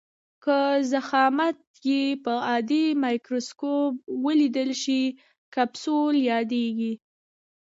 که ضخامت یې په عادي مایکروسکوپ ولیدل شي کپسول یادیږي.